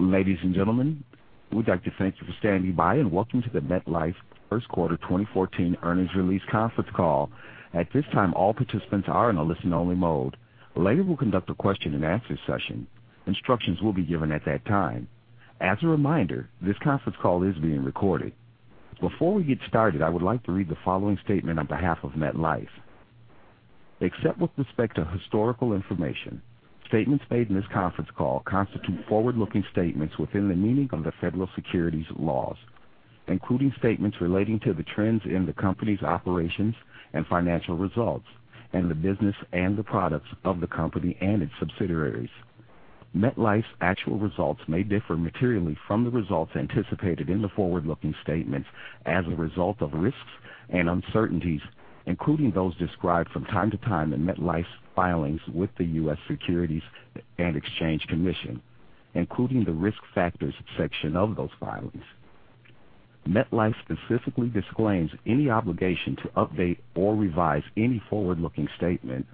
Ladies and gentlemen, we'd like to thank you for standing by. Welcome to the MetLife first quarter 2014 earnings release conference call. At this time, all participants are in a listen-only mode. Later, we'll conduct a question-and-answer session. Instructions will be given at that time. As a reminder, this conference call is being recorded. Before we get started, I would like to read the following statement on behalf of MetLife. Except with respect to historical information, statements made in this conference call constitute forward-looking statements within the meaning of the federal securities laws, including statements relating to the trends in the company's operations and financial results and the business and the products of the company and its subsidiaries. MetLife's actual results may differ materially from the results anticipated in the forward-looking statements as a result of risks and uncertainties, including those described from time to time in MetLife's filings with the U.S. Securities and Exchange Commission, including the Risk Factors section of those filings. MetLife specifically disclaims any obligation to update or revise any forward-looking statement,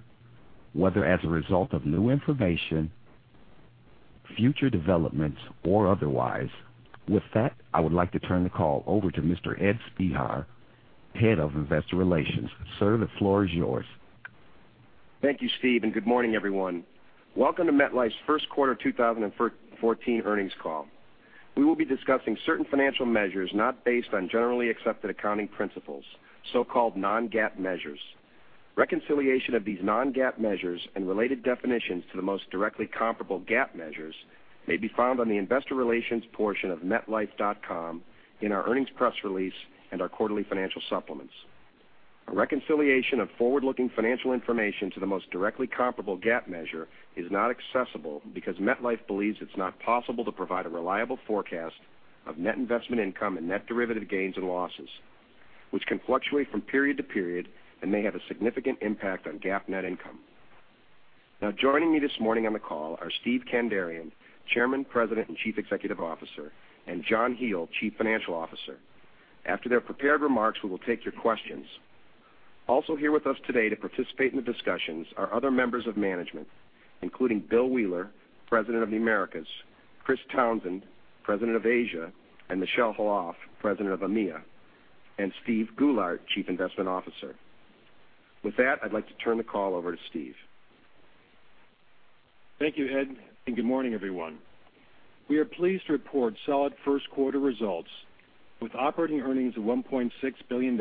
whether as a result of new information, future developments, or otherwise. I would like to turn the call over to Ed Spehar, Head of Investor Relations. Sir, the floor is yours. Thank you, Steve. Good morning, everyone. Welcome to MetLife's first quarter 2014 earnings call. We will be discussing certain financial measures not based on generally accepted accounting principles, so-called non-GAAP measures. Reconciliation of these non-GAAP measures and related definitions to the most directly comparable GAAP measures may be found on the investor relations portion of metlife.com in our earnings press release and our quarterly financial supplements. A reconciliation of forward-looking financial information to the most directly comparable GAAP measure is not accessible because MetLife believes it's not possible to provide a reliable forecast of net investment income and net derivative gains and losses, which can fluctuate from period to period and may have a significant impact on GAAP net income. Joining me this morning on the call are Steven Kandarian, Chairman, President, and Chief Executive Officer, and John Hele, Chief Financial Officer. After their prepared remarks, we will take your questions. Also here with us today to participate in the discussions are other members of management, including Bill Wheeler, President of the Americas, Chris Townsend, President of Asia, and Michel Khalaf, President of EMEA, and Steve Goulart, Chief Investment Officer. I'd like to turn the call over to Steve. Thank you, Ed, and good morning, everyone. We are pleased to report solid first-quarter results with operating earnings of $1.6 billion,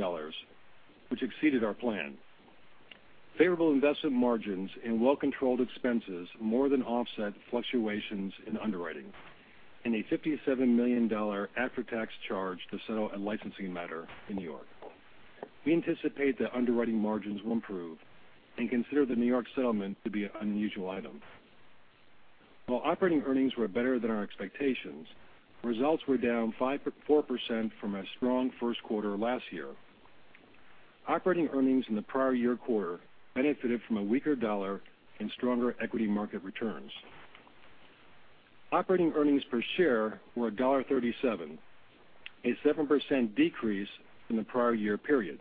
which exceeded our plan. Favorable investment margins and well-controlled expenses more than offset fluctuations in underwriting and a $57 million after-tax charge to settle a licensing matter in New York. We anticipate that underwriting margins will improve and consider the New York settlement to be an unusual item. While operating earnings were better than our expectations, results were down 4% from a strong first quarter last year. Operating earnings in the prior year quarter benefited from a weaker dollar and stronger equity market returns. Operating earnings per share were $1.37, a 7% decrease from the prior year period.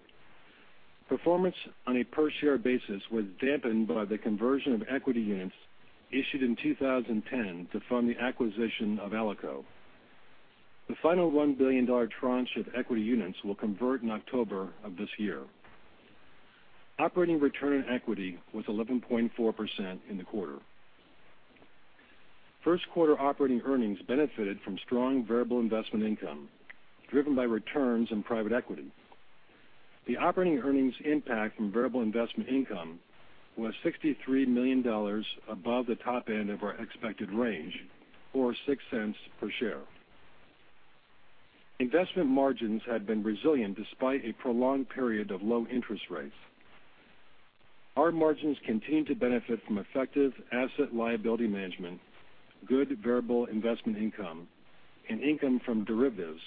Performance on a per-share basis was dampened by the conversion of equity units issued in 2010 to fund the acquisition of Alico. The final $1 billion tranche of equity units will convert in October of this year. Operating return on equity was 11.4% in the quarter. First quarter operating earnings benefited from strong variable investment income driven by returns in private equity. The operating earnings impact from variable investment income was $63 million above the top end of our expected range, or $0.06 per share. Investment margins had been resilient despite a prolonged period of low interest rates. Our margins continue to benefit from effective asset-liability management, good variable investment income, and income from derivatives,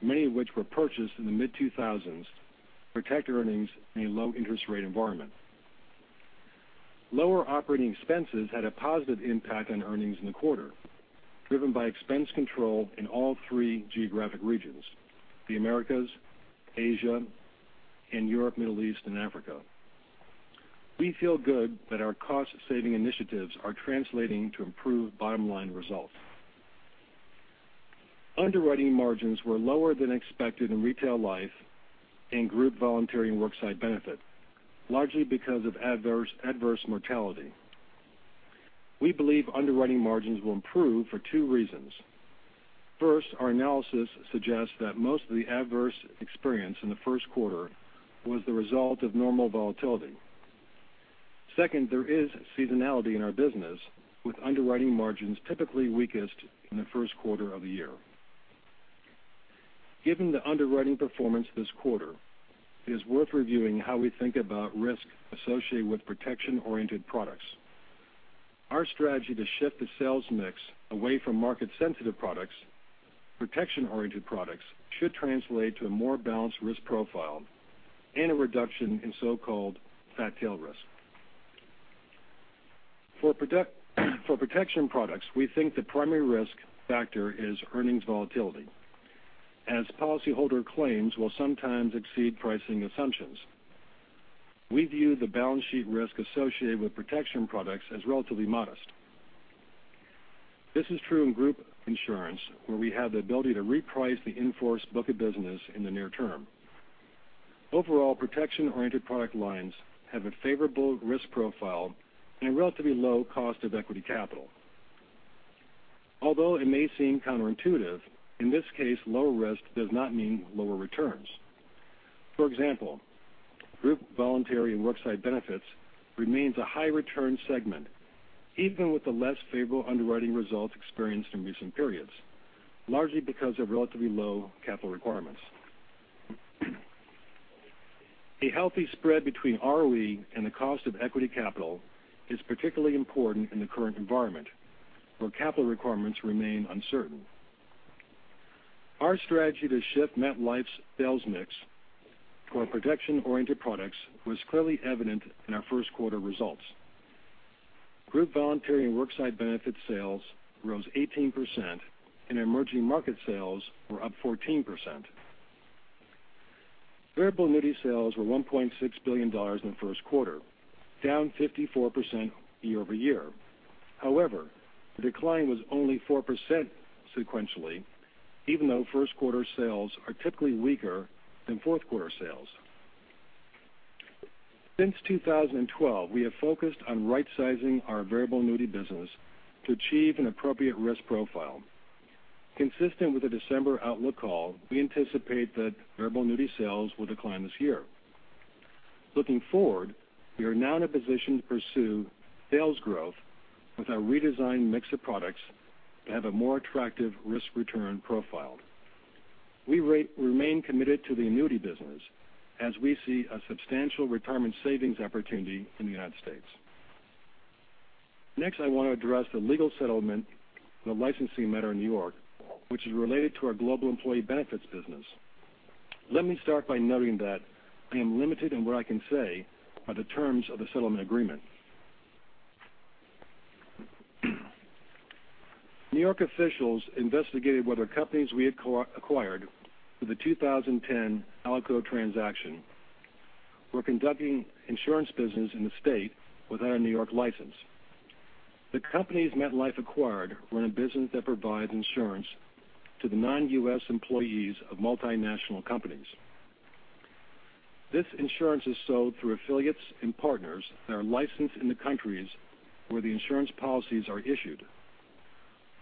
many of which were purchased in the mid-2000s to protect earnings in a low interest rate environment. Lower operating expenses had a positive impact on earnings in the quarter, driven by expense control in all three geographic regions, the Americas, Asia, and Europe, Middle East, and Africa. We feel good that our cost-saving initiatives are translating to improved bottom-line results. Underwriting margins were lower than expected in Retail Life and Group Voluntary and Worksite Benefit, largely because of adverse mortality. We believe underwriting margins will improve for two reasons. First, our analysis suggests that most of the adverse experience in the first quarter was the result of normal volatility. Second, there is seasonality in our business, with underwriting margins typically weakest in the first quarter of the year. Given the underwriting performance this quarter, it is worth reviewing how we think about risk associated with protection-oriented products. Our strategy to shift the sales mix away from market-sensitive products, protection-oriented products should translate to a more balanced risk profile and a reduction in so-called fat tail risk. For protection products, we think the primary risk factor is earnings volatility, as policyholder claims will sometimes exceed pricing assumptions. We view the balance sheet risk associated with protection products as relatively modest. This is true in group insurance, where we have the ability to reprice the in-force book of business in the near term. Overall, protection-oriented product lines have a favorable risk profile and a relatively low cost of equity capital. Although it may seem counterintuitive, in this case, lower risk does not mean lower returns. For example, group voluntary and worksite benefits remains a high return segment, even with the less favorable underwriting results experienced in recent periods, largely because of relatively low capital requirements. A healthy spread between ROE and the cost of equity capital is particularly important in the current environment, where capital requirements remain uncertain. Our strategy to shift MetLife's sales mix toward protection-oriented products was clearly evident in our first quarter results. Group voluntary and worksite benefit sales rose 18%, and emerging market sales were up 14%. Variable annuity sales were $1.6 billion in the first quarter, down 54% year-over-year. However, the decline was only 4% sequentially, even though first quarter sales are typically weaker than fourth quarter sales. Since 2012, we have focused on rightsizing our variable annuity business to achieve an appropriate risk profile. Consistent with the December outlook call, we anticipate that variable annuity sales will decline this year. Looking forward, we are now in a position to pursue sales growth with our redesigned mix of products that have a more attractive risk-return profile. We remain committed to the annuity business as we see a substantial retirement savings opportunity in the U.S. Next, I want to address the legal settlement, the licensing matter in New York, which is related to our global employee benefits business. Let me start by noting that I am limited in what I can say by the terms of the settlement agreement. New York officials investigated whether companies we had acquired through the 2010 Alico transaction were conducting insurance business in the state without a New York license. The companies MetLife acquired run a business that provides insurance to the non-U.S. employees of multinational companies. This insurance is sold through affiliates and partners that are licensed in the countries where the insurance policies are issued.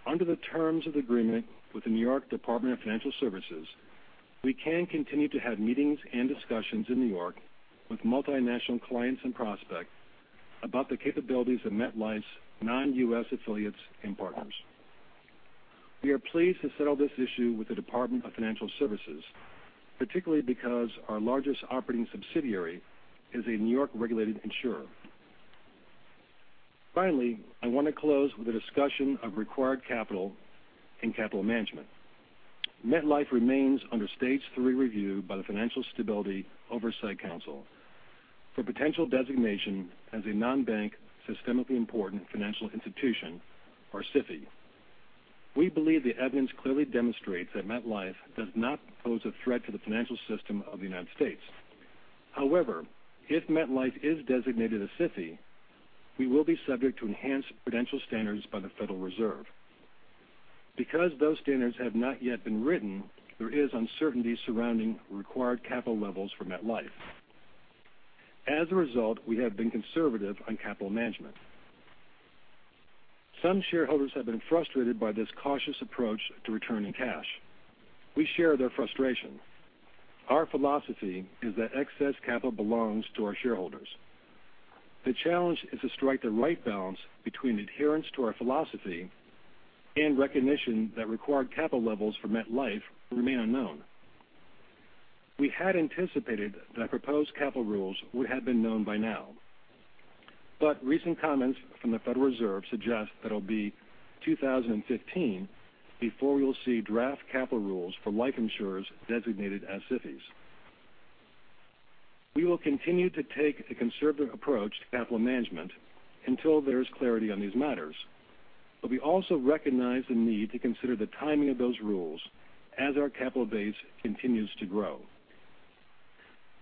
Under the terms of the agreement with the New York Department of Financial Services, we can continue to have meetings and discussions in New York with multinational clients and prospects about the capabilities of MetLife's non-U.S. affiliates and partners. We are pleased to settle this issue with the Department of Financial Services, particularly because our largest operating subsidiary is a New York-regulated insurer. Finally, I want to close with a discussion of required capital and capital management. MetLife remains under Stage 3 review by the Financial Stability Oversight Council for potential designation as a non-bank systemically important financial institution, or SIFI. We believe the evidence clearly demonstrates that MetLife does not pose a threat to the financial system of the U.S. However, if MetLife is designated a SIFI, we will be subject to enhanced prudential standards by the Federal Reserve. Those standards have not yet been written, there is uncertainty surrounding required capital levels for MetLife. As a result, we have been conservative on capital management. Some shareholders have been frustrated by this cautious approach to returning cash. We share their frustration. Our philosophy is that excess capital belongs to our shareholders. The challenge is to strike the right balance between adherence to our philosophy and recognition that required capital levels for MetLife remain unknown. We had anticipated that proposed capital rules would have been known by now, but recent comments from the Federal Reserve suggest that it'll be 2015 before we will see draft capital rules for life insurers designated as SIFIs. We will continue to take a conservative approach to capital management until there is clarity on these matters. But we also recognize the need to consider the timing of those rules as our capital base continues to grow.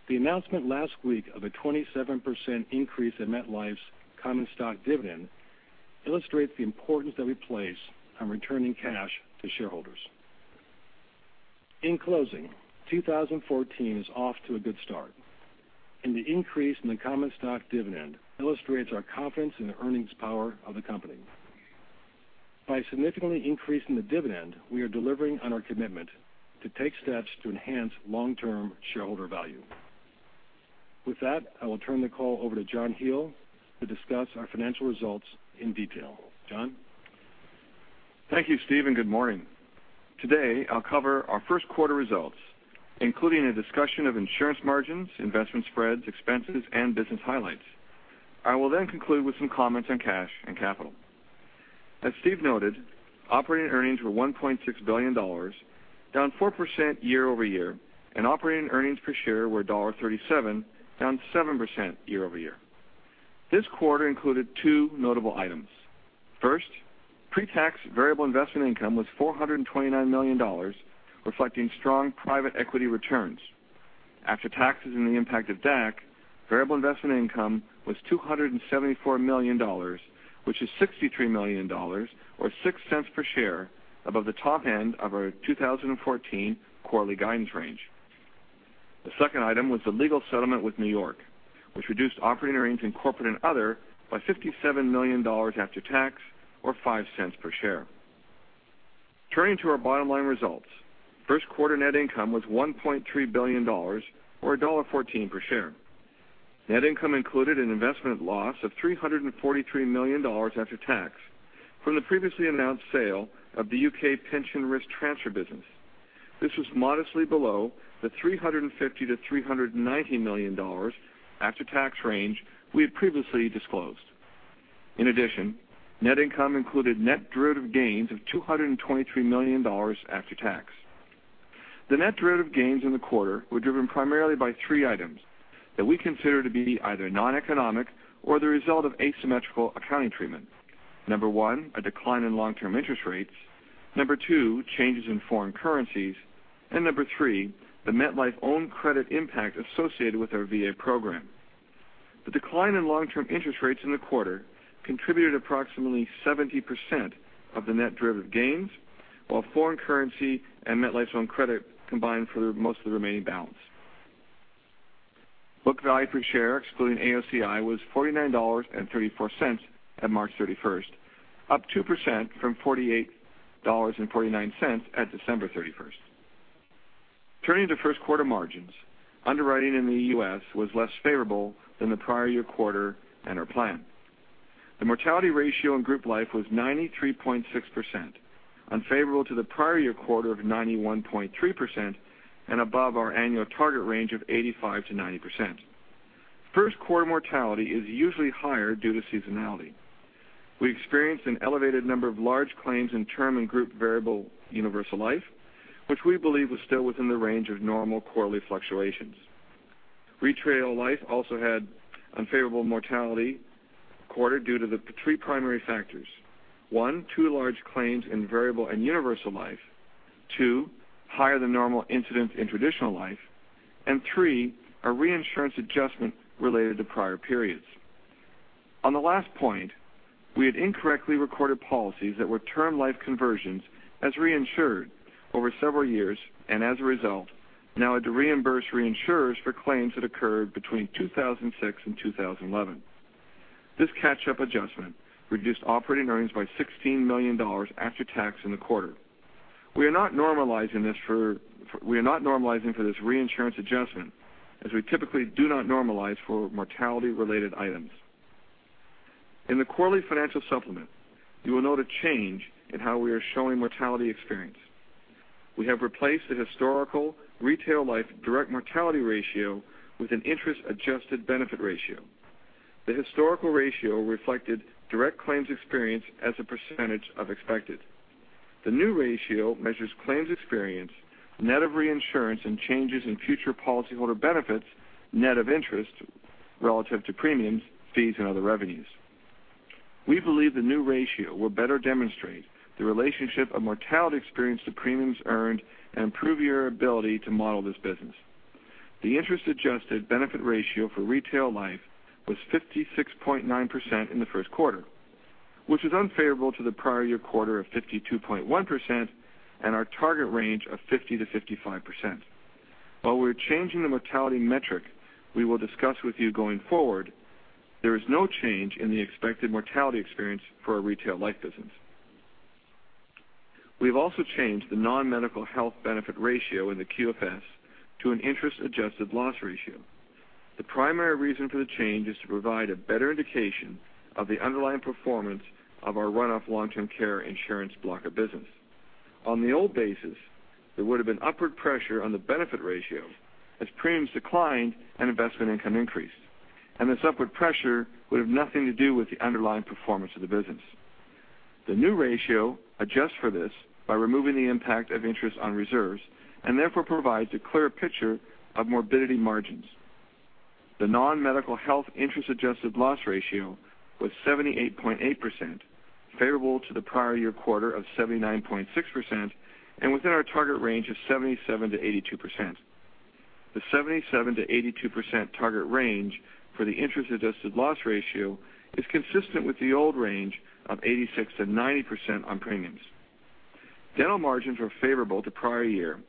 The announcement last week of a 27% increase in MetLife's common stock dividend illustrates the importance that we place on returning cash to shareholders. In closing, 2014 is off to a good start, and the increase in the common stock dividend illustrates our confidence in the earnings power of the company. By significantly increasing the dividend, we are delivering on our commitment to take steps to enhance long-term shareholder value. With that, I will turn the call over to John Hele to discuss our financial results in detail. John? Thank you, Steve, and good morning. Today, I'll cover our first quarter results, including a discussion of insurance margins, investment spreads, expenses, and business highlights. I will then conclude with some comments on cash and capital. As Steve noted, operating earnings were $1.6 billion, down 4% year-over-year, and operating earnings per share were $1.37, down 7% year-over-year. This quarter included two notable items. First, pretax variable investment income was $429 million, reflecting strong private equity returns. After taxes and the impact of DAC, variable investment income was $274 million, which is $63 million or $0.06 per share above the top end of our 2014 quarterly guidance range. The second item was the legal settlement with New York, which reduced operating earnings in corporate and other by $57 million after tax, or $0.05 per share. Turning to our bottom line results, first quarter net income was $1.3 billion, or $1.14 per share. Net income included an investment loss of $343 million after tax from the previously announced sale of the U.K. pension risk transfer business. This was modestly below the $350 million-$390 million after-tax range we had previously disclosed. In addition, net income included net derivative gains of $223 million after tax. The net derivative gains in the quarter were driven primarily by three items that we consider to be either noneconomic or the result of asymmetrical accounting treatment. Number 1, a decline in long-term interest rates, Number 2, changes in foreign currencies, and Number 3, the MetLife Own Credit impact associated with our VA program. The decline in long-term interest rates in the quarter contributed approximately 70% of the net derivative gains, while foreign currency and MetLife's Own Credit combined for most of the remaining balance. Book value per share, excluding AOCI, was $49.34 at March 31st, up 2% from $48.49 at December 31st. Turning to first quarter margins, underwriting in the U.S. was less favorable than the prior year quarter and our plan. The mortality ratio in group life was 93.6%, unfavorable to the prior year quarter of 91.3% and above our annual target range of 85%-90%. First quarter mortality is usually higher due to seasonality. We experienced an elevated number of large claims in term and Group Variable Universal Life, which we believe was still within the range of normal quarterly fluctuations. Retail Life also had unfavorable mortality quarter due to the three primary factors. One, two large claims in variable and universal life, two, higher than normal incidents in traditional life, and three, a reinsurance adjustment related to prior periods. On the last point, we had incorrectly recorded policies that were term life conversions as reinsured over several years, and as a result, now had to reimburse reinsurers for claims that occurred between 2006 and 2011. This catch-up adjustment reduced operating earnings by $16 million after tax in the quarter. We are not normalizing for this reinsurance adjustment as we typically do not normalize for mortality-related items. In the quarterly financial supplement, you will note a change in how we are showing mortality experience. We have replaced the historical Retail Life direct mortality ratio with an interest adjusted benefit ratio. The historical ratio reflected direct claims experience as a percentage of expected. The new ratio measures claims experience, net of reinsurance and changes in future policyholder benefits, net of interest relative to premiums, fees, and other revenues. We believe the new ratio will better demonstrate the relationship of mortality experience to premiums earned and improve your ability to model this business. The interest-adjusted benefit ratio for Retail Life was 56.9% in the first quarter, which is unfavorable to the prior year quarter of 52.1% and our target range of 50%-55%. While we're changing the mortality metric we will discuss with you going forward, there is no change in the expected mortality experience for our Retail Life business. We've also changed the non-medical health benefit ratio in the QFS to an interest-adjusted loss ratio. The primary reason for the change is to provide a better indication of the underlying performance of our run-off Long-term care insurance block of business. On the old basis, there would've been upward pressure on the benefit ratio as premiums declined and investment income increased. This upward pressure would have nothing to do with the underlying performance of the business. The new ratio adjusts for this by removing the impact of interest on reserves, and therefore provides a clear picture of morbidity margins. The non-medical health interest-adjusted loss ratio was 78.8%, favorable to the prior year quarter of 79.6% and within our target range of 77%-82%. The 77%-82% target range for the interest-adjusted loss ratio is consistent with the old range of 86%-90% on premiums. Dental margins were favorable to prior year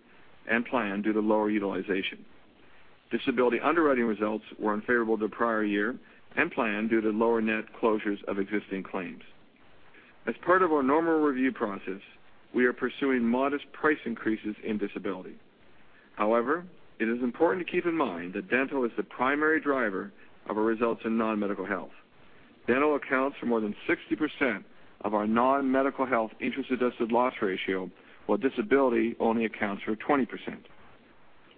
and plan due to lower utilization. Disability underwriting results were unfavorable to prior year and plan due to lower net closures of existing claims. As part of our normal review process, we are pursuing modest price increases in disability. However, it is important to keep in mind that dental is the primary driver of our results in non-medical health. Dental accounts for more than 60% of our non-medical health interest-adjusted loss ratio, while disability only accounts for 20%.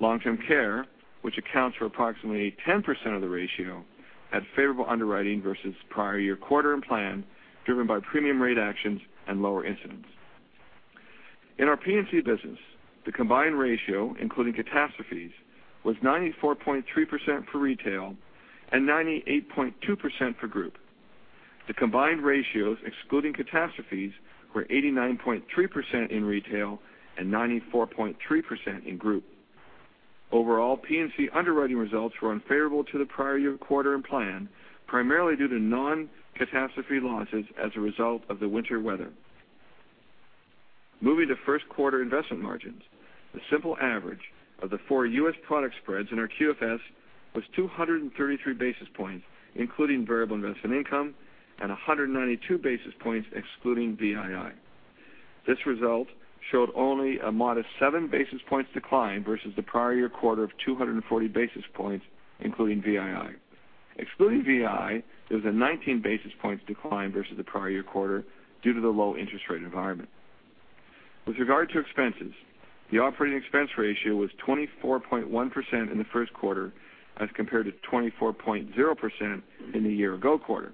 Long-term care, which accounts for approximately 10% of the ratio, had favorable underwriting versus prior year quarter and plan, driven by premium rate actions and lower incidence. In our P&C business, the combined ratio, including catastrophes, was 94.3% for retail and 98.2% for group. The combined ratios excluding catastrophes were 89.3% in retail and 94.3% in group. Overall, P&C underwriting results were unfavorable to the prior year quarter and plan, primarily due to non-catastrophe losses as a result of the winter weather. Moving to first quarter investment margins, the simple average of the four U.S. product spreads in our QFS was 233 basis points, including variable investment income and 192 basis points excluding VII. This result showed only a modest seven basis points decline versus the prior year quarter of 240 basis points, including VII. Excluding VII, there was a 19 basis points decline versus the prior year quarter due to the low interest rate environment. With regard to expenses, the operating expense ratio was 24.1% in the first quarter as compared to 24.0% in the year ago quarter.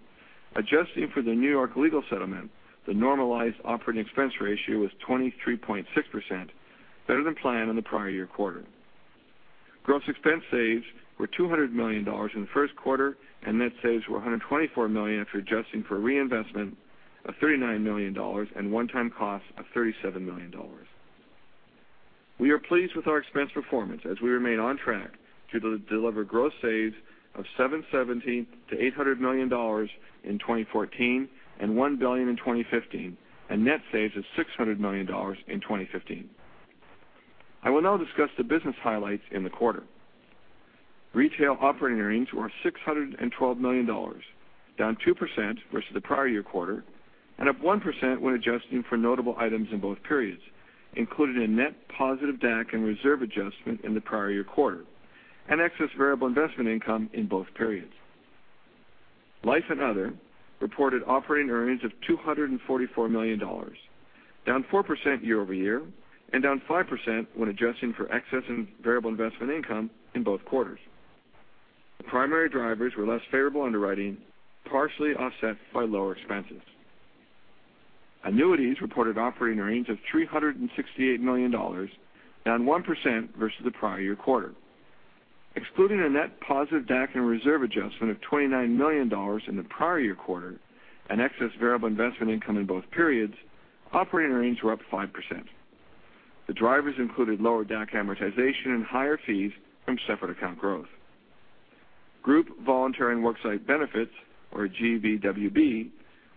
Adjusting for the New York legal settlement, the normalized operating expense ratio was 23.6%, better than planned in the prior year quarter. Gross expense saves were $200 million in the first quarter, and net saves were $124 million after adjusting for reinvestment of $39 million and one-time costs of $37 million. We are pleased with our expense performance as we remain on track to deliver gross saves of $770 million-$800 million in 2014 and $1 billion in 2015, and net saves of $600 million in 2015. I will now discuss the business highlights in the quarter. Retail operating earnings were $612 million, down 2% versus the prior year quarter, and up 1% when adjusting for notable items in both periods, including a net positive DAC and reserve adjustment in the prior year quarter, and excess variable investment income in both periods. Life & Other reported operating earnings of $244 million, down 4% year-over-year, and down 5% when adjusting for excess in variable investment income in both quarters. The primary drivers were less favorable underwriting, partially offset by lower expenses. Annuities reported operating earnings of $368 million, down 1% versus the prior year quarter. Excluding a net positive DAC and reserve adjustment of $29 million in the prior year quarter and excess variable investment income in both periods, operating earnings were up 5%. The drivers included lower DAC amortization and higher fees from separate account growth. Group Voluntary and Worksite Benefits, or GVWB,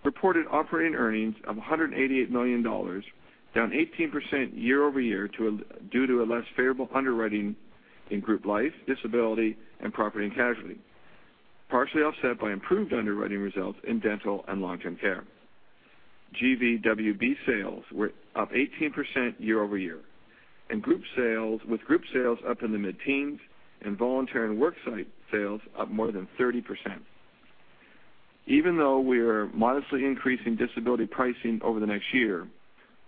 reported operating earnings of $188 million, down 18% year-over-year due to less favorable underwriting in group life, Disability, and Property and Casualty, partially offset by improved underwriting results in Dental and Long-term care. GVWB sales were up 18% year-over-year, with group sales up in the mid-teens and voluntary and worksite sales up more than 30%. Even though we are modestly increasing Disability pricing over the next year,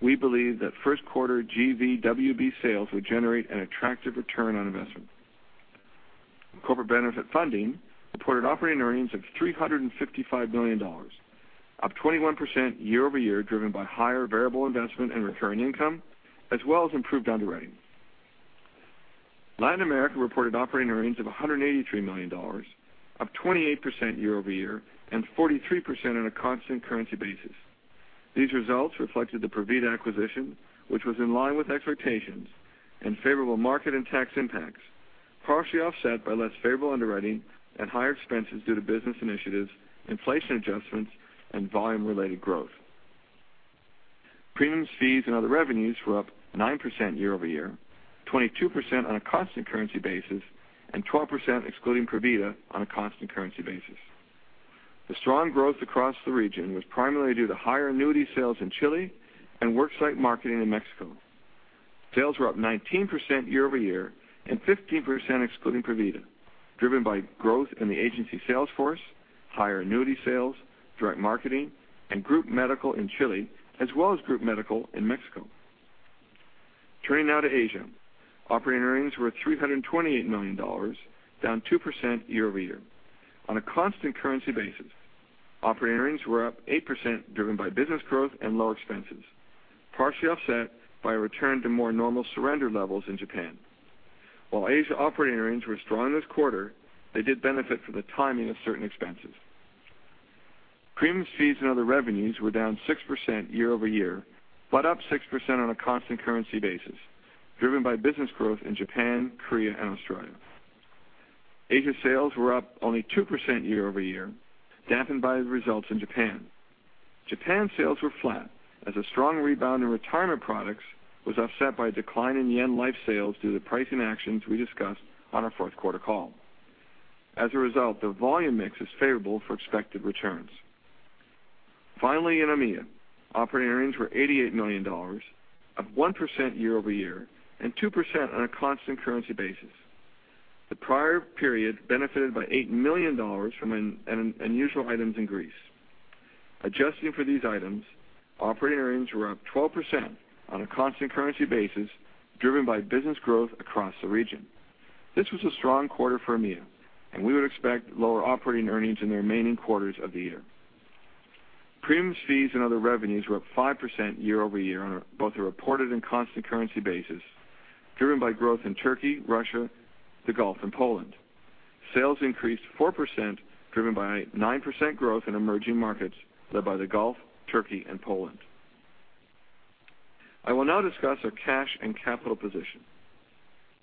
we believe that first quarter GVWB sales will generate an attractive return on investment. Corporate benefit funding reported operating earnings of $355 million, up 21% year-over-year, driven by higher variable investment and recurring income, as well as improved underwriting. Latin America reported operating earnings of $183 million, up 28% year-over-year and 43% on a constant currency basis. These results reflected the Provida acquisition, which was in line with expectations, and favorable market and tax impacts, partially offset by less favorable underwriting and higher expenses due to business initiatives, inflation adjustments, and volume-related growth. Premiums, fees, and other revenues were up 9% year-over-year, 22% on a constant currency basis, and 12% excluding Provida on a constant currency basis. The strong growth across the region was primarily due to higher annuity sales in Chile and worksite marketing in Mexico. Sales were up 19% year-over-year and 15% excluding Provida, driven by growth in the agency sales force, higher annuity sales, direct marketing, and group medical in Chile as well as group medical in Mexico. Turning now to Asia. Operating earnings were $328 million, down 2% year-over-year. On a constant currency basis, operating earnings were up 8%, driven by business growth and lower expenses, partially offset by a return to more normal surrender levels in Japan. While Asia operating earnings were strong this quarter, they did benefit from the timing of certain expenses. Premiums, fees, and other revenues were down 6% year-over-year, but up 6% on a constant currency basis, driven by business growth in Japan, Korea, and Australia. Asia sales were up only 2% year-over-year, dampened by the results in Japan. Japan sales were flat as a strong rebound in retirement products was offset by a decline in yen life sales due to pricing actions we discussed on our fourth quarter call. As a result, the volume mix is favorable for expected returns. Finally, in EMEA, operating earnings were $88 million, up 1% year-over-year and 2% on a constant currency basis. The prior period benefited by $8 million from unusual items in Greece. Adjusting for these items, operating earnings were up 12% on a constant currency basis, driven by business growth across the region. We would expect lower operating earnings in the remaining quarters of the year. Premiums, fees, and other revenues were up 5% year-over-year on both a reported and constant currency basis, driven by growth in Turkey, Russia, the Gulf, and Poland. Sales increased 4%, driven by 9% growth in emerging markets led by the Gulf, Turkey, and Poland. I will now discuss our cash and capital position.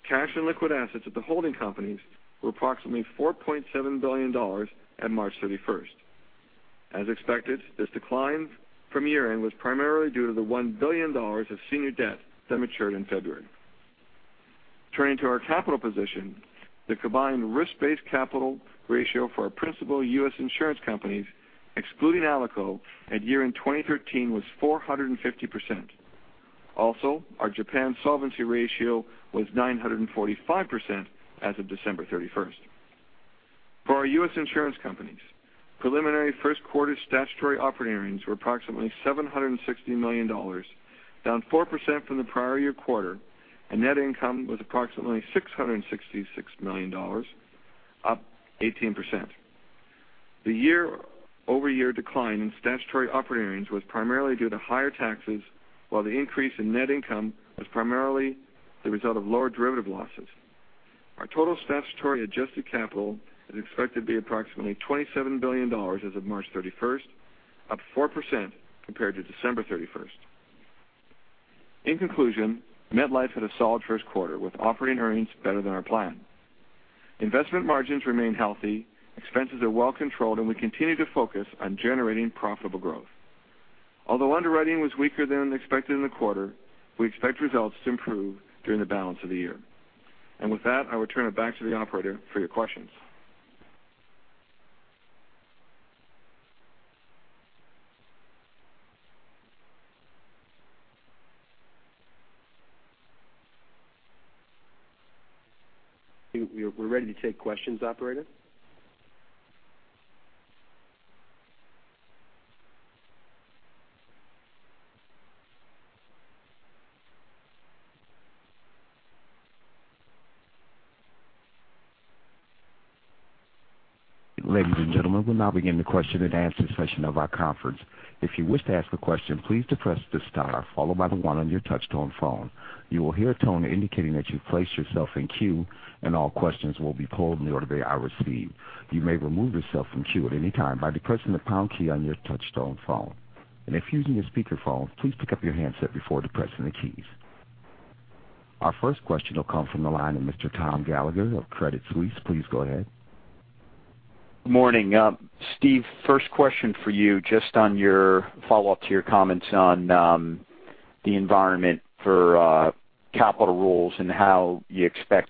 Cash and liquid assets at the holding companies were approximately $4.7 billion at March 31st. As expected, this decline from year-end was primarily due to the $1 billion of senior debt that matured in February. Turning to our capital position, the combined risk-based capital ratio for our principal U.S. insurance companies, excluding Alico, at year-end 2013 was 450%. Also, our Japan solvency ratio was 945% as of December 31st. For our U.S. insurance companies, preliminary first quarter statutory operating earnings were approximately $760 million, down 4% from the prior year quarter, and net income was approximately $666 million, up 18%. The year-over-year decline in statutory operating earnings was primarily due to higher taxes, while the increase in net income was primarily the result of lower derivative losses. Our total statutory adjusted capital is expected to be approximately $27 billion as of March 31st, up 4% compared to December 31st. In conclusion, MetLife had a solid first quarter with operating earnings better than our plan. Investment margins remain healthy, expenses are well controlled. We continue to focus on generating profitable growth. Although underwriting was weaker than expected in the quarter, we expect results to improve during the balance of the year. With that, I will turn it back to the operator for your questions. We're ready to take questions, operator. Ladies and gentlemen, we'll now begin the question and answer session of our conference. If you wish to ask a question, please depress the star followed by the one on your touchtone phone. You will hear a tone indicating that you've placed yourself in queue, and all questions will be pulled in the order they are received. You may remove yourself from queue at any time by depressing the pound key on your touchtone phone. If using a speakerphone, please pick up your handset before depressing the keys. Our first question will come from the line of Mr. Thomas Gallagher of Credit Suisse. Please go ahead. Morning. John, first question for you, just on your follow-up to your comments on the environment for capital rules and how you expect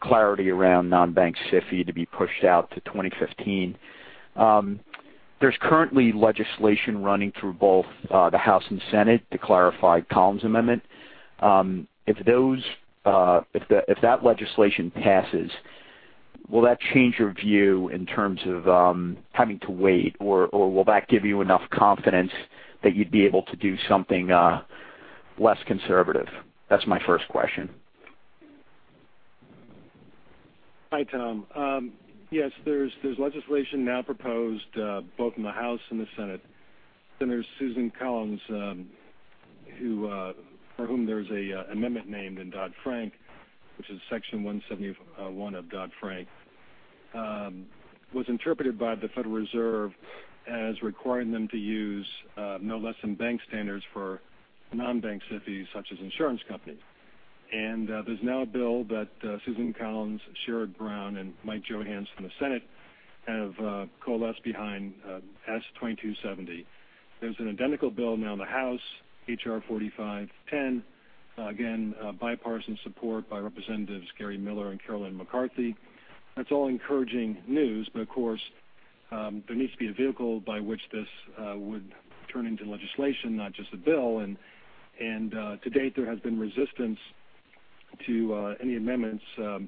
clarity around non-bank SIFI to be pushed out to 2015. There's currently legislation running through both the House and Senate to clarify Collins Amendment. If that legislation passes, will that change your view in terms of having to wait, or will that give you enough confidence that you'd be able to do something less conservative? That's my first question. Hi, Tom. Yes, there's legislation now proposed both in the House and the Senate. Senator Susan Collins for whom there's an amendment named in Dodd-Frank, which is Section 171 of Dodd-Frank, was interpreted by the Federal Reserve as requiring them to use no less than bank standards for non-bank SIFIs such as insurance companies. There's now a bill that Susan Collins, Sherrod Brown, and Mike Johanns from the Senate have coalesced behind, S.2270. There's an identical bill now in the House, H.R. 4510, again, bipartisan support by Representatives Gary Miller and Carolyn McCarthy. That's all encouraging news, but of course, there needs to be a vehicle by which this would turn into legislation, not just a bill. To date, there has been resistance to any amendments to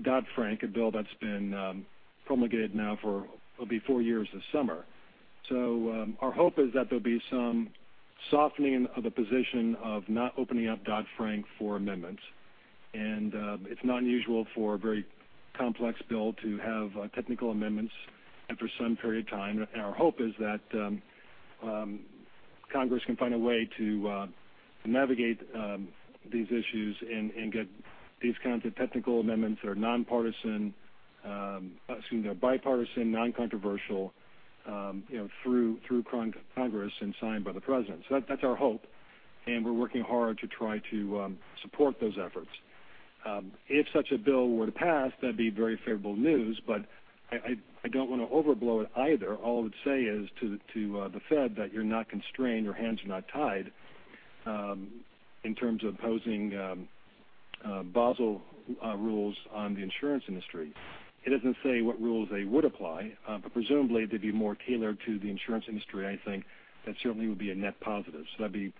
Dodd-Frank, a bill that's been promulgated now for, it'll be four years this summer. Our hope is that there'll be some softening of the position of not opening up Dodd-Frank for amendments. It's not unusual for a very complex bill to have technical amendments and for some period of time. Our hope is that Congress can find a way to navigate these issues and get these kinds of technical amendments that are bipartisan, non-controversial through Congress and signed by the President. That's our hope, and we're working hard to try to support those efforts. If such a bill were to pass, that'd be very favorable news, but I don't want to overblow it either. All I would say is to the Fed that you're not constrained, your hands are not tied in terms of posing Basel rules on the insurance industry. It doesn't say what rules they would apply but presumably they'd be more tailored to the insurance industry, I think that certainly would be a net positive. That'd be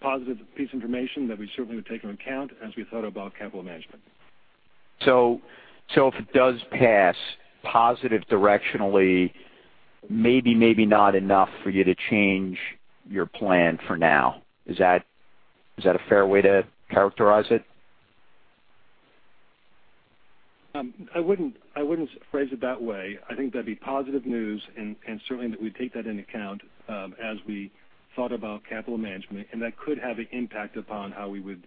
positive piece information that we certainly would take into account as we thought about capital management. If it does pass, positive directionally, maybe not enough for you to change your plan for now. Is that a fair way to characterize it? I wouldn't phrase it that way. I think that'd be positive news and certainly that we'd take that into account as we thought about capital management, and that could have an impact upon how we would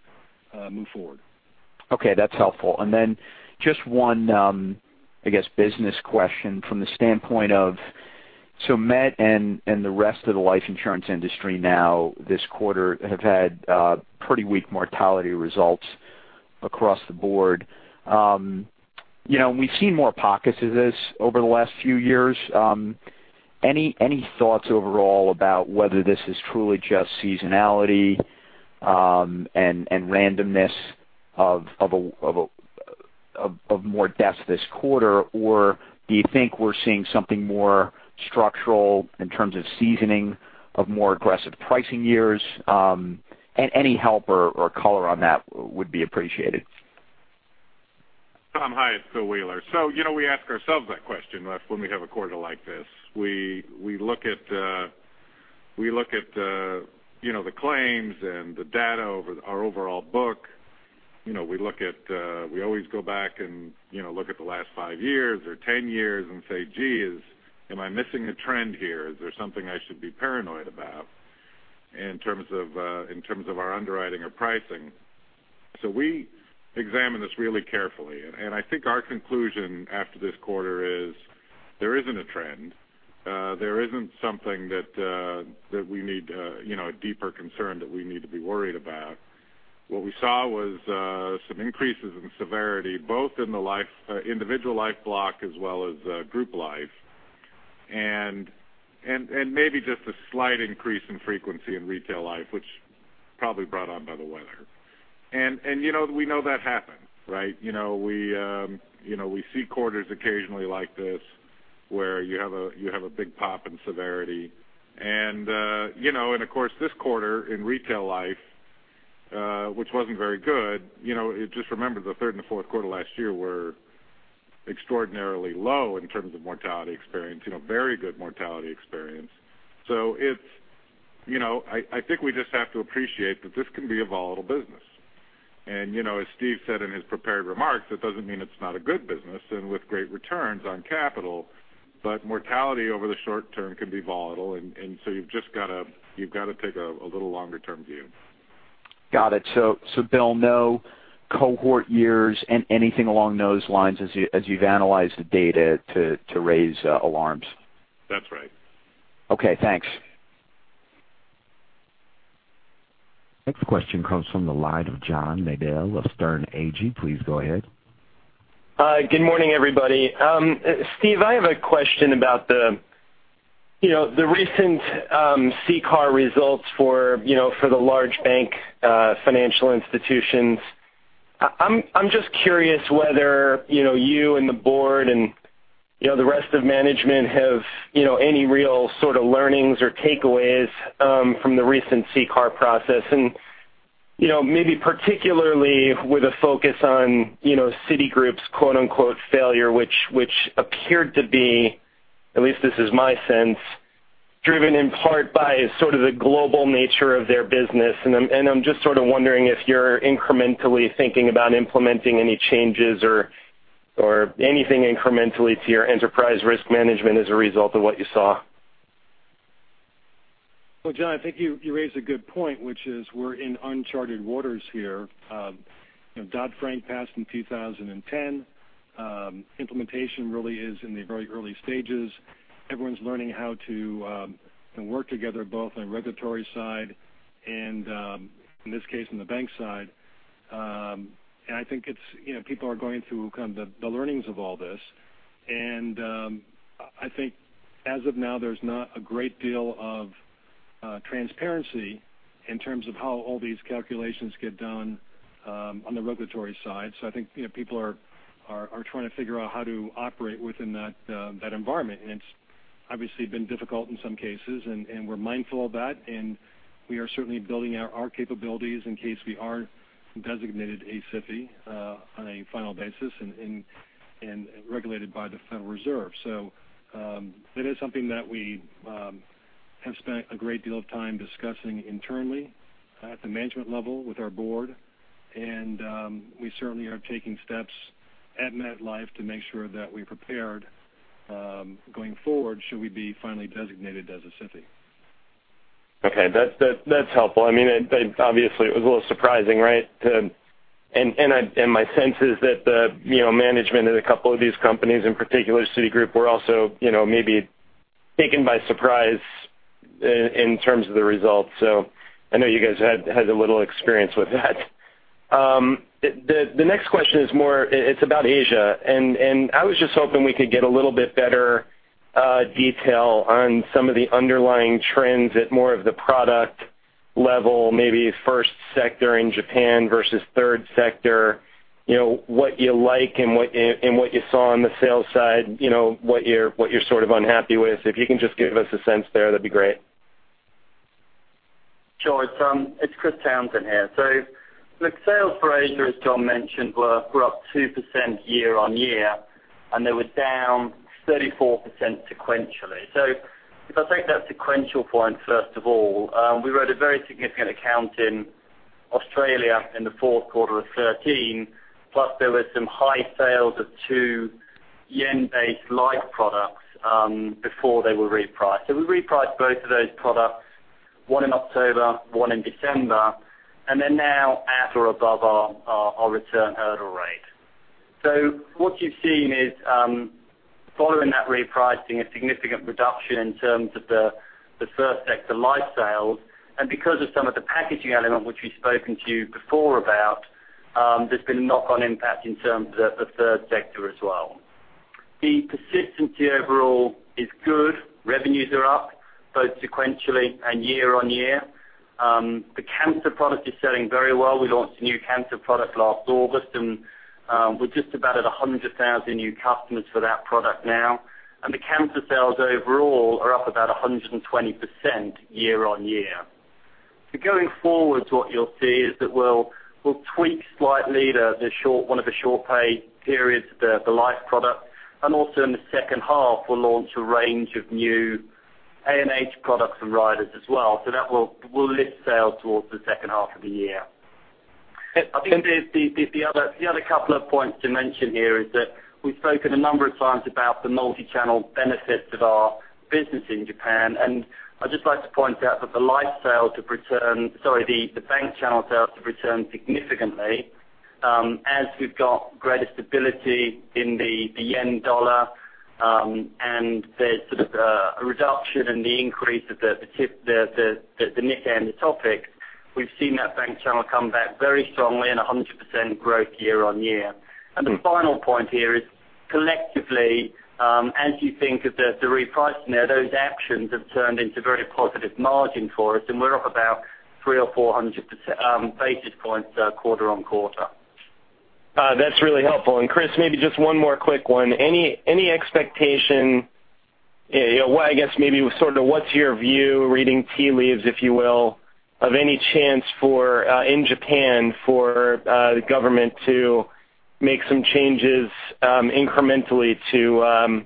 move forward. Okay, that's helpful. Just one business question from the standpoint of Met and the rest of the life insurance industry now this quarter have had pretty weak mortality results across the board. We've seen more pockets of this over the last few years. Any thoughts overall about whether this is truly just seasonality and randomness of more deaths this quarter, or do you think we're seeing something more structural in terms of seasoning of more aggressive pricing years? Any help or color on that would be appreciated. Tom, hi, it's Bill Wheeler. We ask ourselves that question when we have a quarter like this. We look at the claims and the data over our overall book. We always go back and look at the last five years or 10 years and say, "Geez, am I missing a trend here? Is there something I should be paranoid about in terms of our underwriting or pricing?" We examine this really carefully, and I think our conclusion after this quarter is there isn't a trend. There isn't something that we need a deeper concern that we need to be worried about. What we saw was some increases in severity, both in the individual life block as well as Group Life, and maybe just a slight increase in frequency in retail life, which probably brought on by the weather. We know that happens, right? We see quarters occasionally like this where you have a big pop in severity. Of course, this quarter in retail life, which wasn't very good, just remember the third and the fourth quarter last year were extraordinarily low in terms of mortality experience, very good mortality experience. I think we just have to appreciate that this can be a volatile business. As John said in his prepared remarks, it doesn't mean it's not a good business and with great returns on capital, but mortality over the short term can be volatile, and you've just got to take a little longer-term view. Got it. Bill, no cohort years and anything along those lines as you've analyzed the data to raise alarms? That's right. Okay, thanks. Next question comes from the line of John Nadel of Sterne Agee. Please go ahead. Good morning, everybody. John, I have a question about the recent CCAR results for the large bank financial institutions. I'm just curious whether you and the board and the rest of management have any real sort of learnings or takeaways from the recent CCAR process, and maybe particularly with a focus on Citigroup's "failure," which appeared to be, at least this is my sense, driven in part by sort of the global nature of their business. I'm just sort of wondering if you're incrementally thinking about implementing any changes or anything incrementally to your enterprise risk management as a result of what you saw. Well, John, I think you raised a good point, which is we're in uncharted waters here. Dodd-Frank passed in 2010. Implementation really is in the very early stages. Everyone's learning how to work together, both on the regulatory side and, in this case, on the bank side. I think people are going through kind of the learnings of all this. I think as of now, there's not a great deal of transparency in terms of how all these calculations get done on the regulatory side. I think people are trying to figure out how to operate within that environment. It's obviously been difficult in some cases, and we're mindful of that, and we are certainly building out our capabilities in case we are designated a SIFI on a final basis and regulated by the Federal Reserve. That is something that we have spent a great deal of time discussing internally at the management level with our board, and we certainly are taking steps at MetLife to make sure that we're prepared going forward should we be finally designated as a SIFI. Okay. That's helpful. Obviously, it was a little surprising, right? My sense is that the management at a couple of these companies, in particular Citigroup, were also maybe taken by surprise in terms of the results. I know you guys had a little experience with that. The next question is more about Asia. I was just hoping we could get a little bit better detail on some of the underlying trends at more of the product level, maybe first sector in Japan versus third sector, what you like and what you saw on the sales side, what you're sort of unhappy with. If you can just give us a sense there, that'd be great. Sure. It's Chris Townsend here. Look, sales for Asia, as John mentioned, were up 2% year-on-year, and they were down 34% sequentially. If I take that sequential point first of all, we wrote a very significant account in Australia in the fourth quarter of 2013, plus there were some high sales of two yen-based life products before they were repriced. We repriced both of those products, one in October, one in December, and they're now at or above our return hurdle rate. What you've seen is, following that repricing, a significant reduction in terms of the first sector life sales. Because of some of the packaging element which we've spoken to you before about, there's been a knock-on impact in terms of the third sector as well. The persistency overall is good. Revenues are up, both sequentially and year-on-year. The cancer product is selling very well. We launched a new cancer product last August, and we're just about at 100,000 new customers for that product now. The cancer sales overall are up about 120% year-on-year. Going forward, what you'll see is that we'll tweak slightly one of the short pay periods of the life product, and also in the second half, we'll launch a range of new A&H products and riders as well. That will lift sales towards the second half of the year. I think the other couple of points to mention here is that we've spoken a number of times about the multi-channel benefits of our business in Japan, and I'd just like to point out that the bank channel sales have returned significantly as we've got greater stability in the yen-dollar, and there's sort of a reduction in the increase of the Nikkei and the TOPIX. We've seen that bank channel come back very strongly and 100% growth year-on-year. The final point here is collectively, as you think of the repricing there, those actions have turned into very positive margin for us, and we're up about 300 or 400 basis points quarter-on-quarter. That's really helpful. Chris, maybe just one more quick one. Any expectation, maybe sort of what's your view, reading tea leaves, if you will, of any chance in Japan for the government to make some changes incrementally to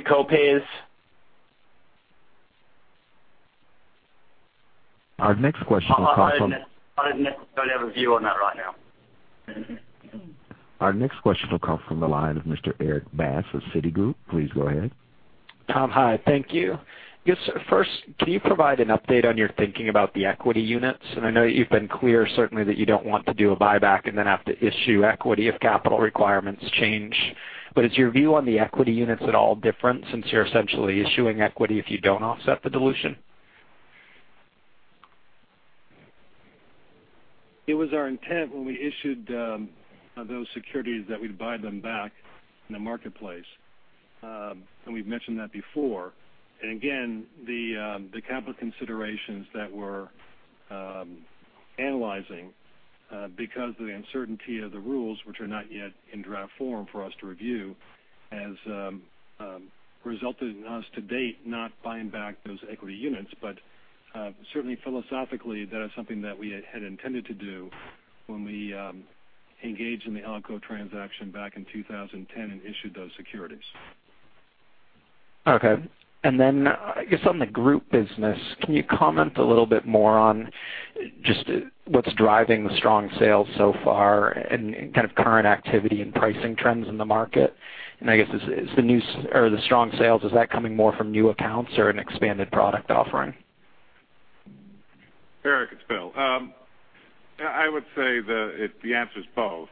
co-pays? Our next question will come from- I don't have a view on that right now. Our next question will come from the line of Mr. Erik Bass with Citigroup. Please go ahead. Tom, hi. Thank you. I guess first, can you provide an update on your thinking about the equity units? I know that you've been clear certainly that you don't want to do a buyback and then have to issue equity if capital requirements change. Is your view on the equity units at all different since you're essentially issuing equity if you don't offset the dilution? It was our intent when we issued those securities that we'd buy them back in the marketplace. We've mentioned that before. Again, the capital considerations that we're analyzing, because of the uncertainty of the rules, which are not yet in draft form for us to review, has resulted in us to date not buying back those equity units. Certainly philosophically, that is something that we had intended to do when we engaged in the Alico transaction back in 2010 and issued those securities. Okay. I guess on the group business, can you comment a little bit more on just what's driving the strong sales so far and kind of current activity and pricing trends in the market? I guess, the strong sales, is that coming more from new accounts or an expanded product offering? Eric, it's Bill. I would say the answer is both.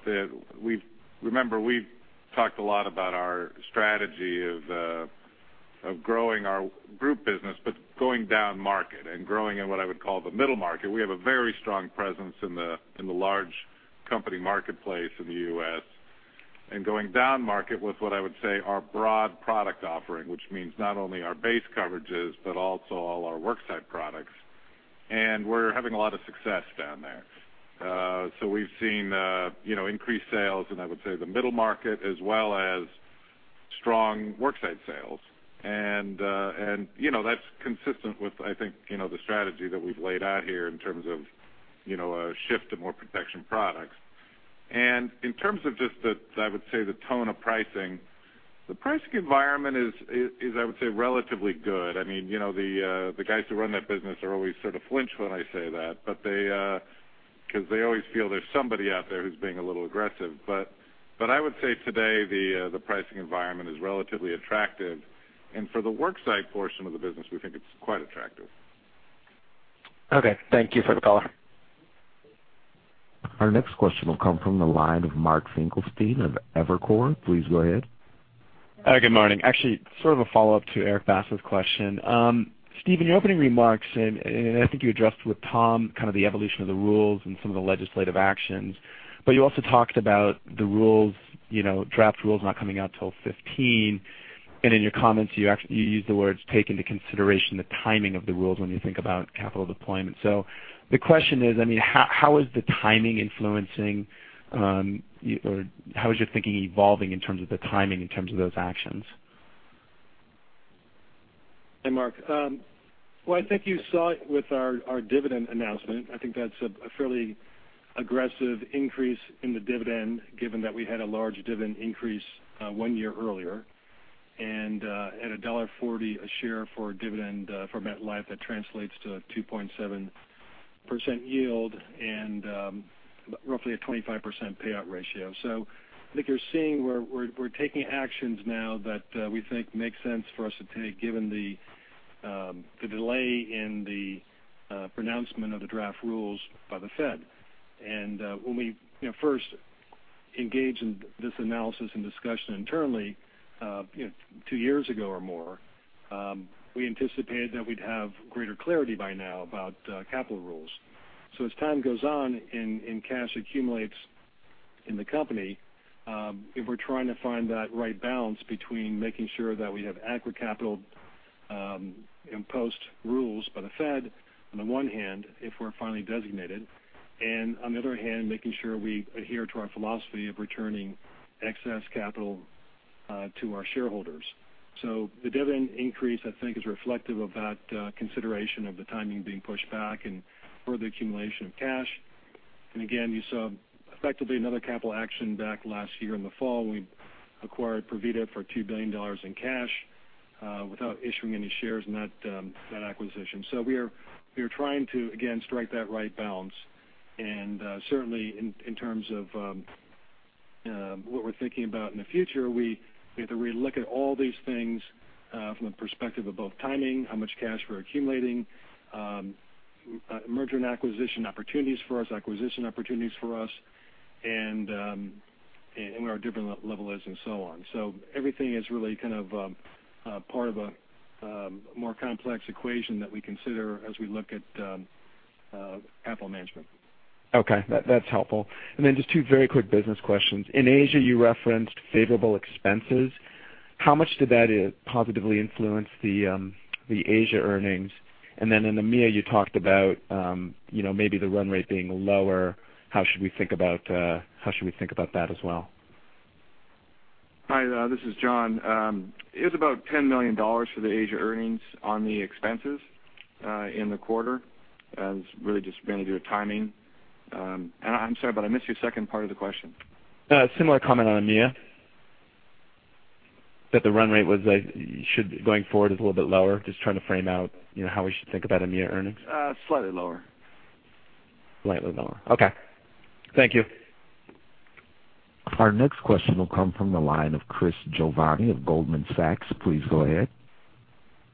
Remember, we've talked a lot about our strategy of growing our group business, going down market and growing in what I would call the middle market. We have a very strong presence in the large company marketplace in the U.S., going down market with what I would say our broad product offering, which means not only our base coverages, but also all our worksite products. We're having a lot of success down there. We've seen increased sales in, I would say, the middle market as well as strong worksite sales. That's consistent with, I think, the strategy that we've laid out here in terms of a shift to more protection products. In terms of just the, I would say, the tone of pricing, the pricing environment is, I would say, relatively good. The guys who run that business are always sort of flinch when I say that because they always feel there's somebody out there who's being a little aggressive. I would say today, the pricing environment is relatively attractive. For the worksite portion of the business, we think it's quite attractive. Okay. Thank you for the color. Our next question will come from the line of Mark Finkelstein of Evercore. Please go ahead. Good morning. Actually, sort of a follow-up to Erik Bass's question. Steven, your opening remarks, I think you addressed with Tom kind of the evolution of the rules and some of the legislative actions. You also talked about draft rules not coming out till 2015. In your comments, you used the words take into consideration the timing of the rules when you think about capital deployment. The question is, how is the timing influencing or how is your thinking evolving in terms of the timing in terms of those actions? Hey, Mark. Well, I think you saw it with our dividend announcement. I think that's a fairly aggressive increase in the dividend given that we had a large dividend increase one year earlier. At a $1.40 a share for a dividend for MetLife, that translates to a 2.7% yield and roughly a 25% payout ratio. I think you're seeing we're taking actions now that we think make sense for us to take given the delay in the pronouncement of the draft rules by the Fed. When we first engaged in this analysis and discussion internally two years ago or more, we anticipated that we'd have greater clarity by now about capital rules. As time goes on and cash accumulates in the company, we're trying to find that right balance between making sure that we have adequate capital in post rules by the Fed on the one hand, if we're finally designated, and on the other hand, making sure we adhere to our philosophy of returning excess capital to our shareholders. The dividend increase, I think is reflective of that consideration of the timing being pushed back and further accumulation of cash. Again, you saw effectively another capital action back last year in the fall. We acquired Provida for $2 billion in cash without issuing any shares in that acquisition. We are trying to, again, strike that right balance. Certainly, in terms of what we're thinking about in the future, we have to relook at all these things from the perspective of both timing, how much cash we're accumulating, merger and acquisition opportunities for us, acquisition opportunities for us, and where our dividend level is, and so on. Everything is really part of a more complex equation that we consider as we look at capital management. Okay. That's helpful. Then just two very quick business questions. In Asia, you referenced favorable expenses. How much did that positively influence the Asia earnings? Then in EMEA, you talked about maybe the run rate being lower. How should we think about that as well? Hi, this is John. It was about $10 million for the Asia earnings on the expenses in the quarter. It was really just mainly due to timing. I'm sorry, but I missed your second part of the question. Similar comment on EMEA, that the run rate going forward is a little bit lower. Just trying to frame out how we should think about EMEA earnings. Slightly lower. Slightly lower. Okay. Thank you. Our next question will come from the line of Chris Giovanni of Goldman Sachs. Please go ahead.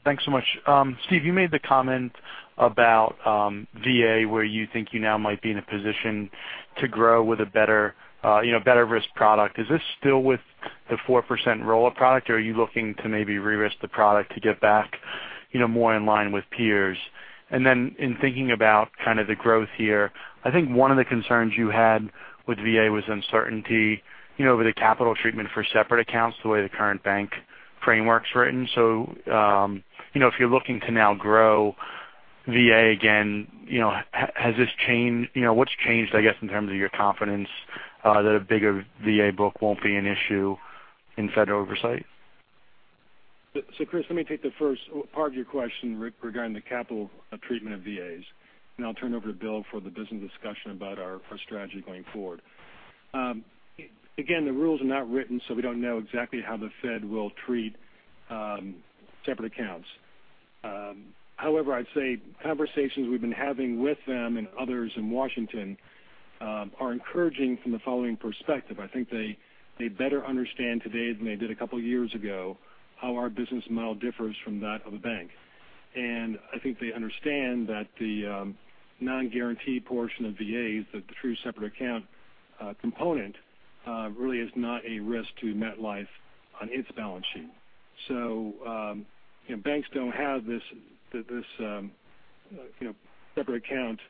Thanks so much. John, you made the comment about VA, where you think you now might be in a position to grow with a better risk product. Is this still with the 4% roll-up product, or are you looking to maybe re-risk the product to get back more in line with peers? And then in thinking about the growth here, I think one of the concerns you had with VA was uncertainty over the capital treatment for separate accounts, the way the current bank framework's written. If you're looking to now grow VA again, what's changed, I guess, in terms of your confidence that a bigger VA book won't be an issue in Fed oversight? Chris, let me take the first part of your question regarding the capital treatment of VAs, and I'll turn it over to Bill for the business discussion about our strategy going forward. Again, the rules are not written, so we don't know exactly how the Fed will treat separate accounts. However, I'd say conversations we've been having with them and others in Washington are encouraging from the following perspective. I think they better understand today than they did a couple of years ago how our business model differs from that of a bank. I think they understand that the non-guarantee portion of VAs, the true separate account component, really is not a risk to MetLife on its balance sheet. Banks don't have this separate account